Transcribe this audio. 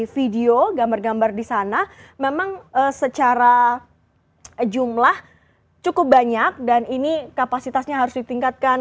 video gambar gambar di sana memang secara jumlah cukup banyak dan ini kapasitasnya harus ditingkatkan